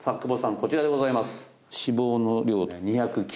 こちらでございます